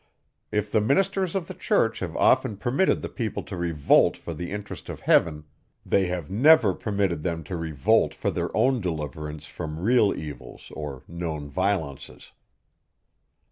If the ministers of the church have often permitted the people to revolt for the interest of heaven, they have never permitted them to revolt for their own deliverance from real evils or known violences.